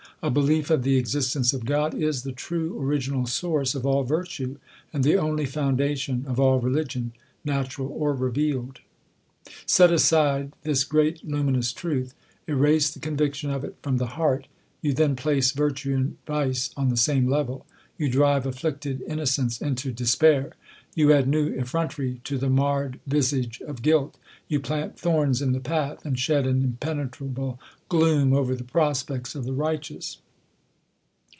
A belief of the existence of God is the true original source of all virtue, and the only foundation of all religion, natural or revealed. Set aside this great luminous truth, erase the conviction of it from the heart, you then place vir tue and vice on the same level ; j^ou drive afflicted in uocence into despair ; you add nevr effrontery to the marred visage of guilt ; you plant thorns in the path, and shed an impenetrable gloom over the prospects of the righteous.